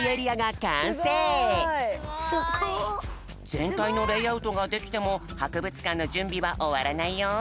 ぜんたいのレイアウトができてもはくぶつかんのじゅんびはおわらないよ。